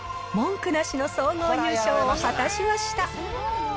文句なしの総合優勝を果たしました。